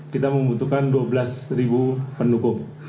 kita membutuhkan dua belas pendukung